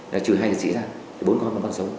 là trừ hai thị sĩ ra bốn con là con sống